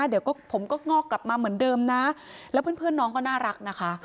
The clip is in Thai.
เดี๋ยวผมก็งอกกลับมาเหมือนเดิมนะแล้วเพื่อนน้องก็น่ารักนะคะ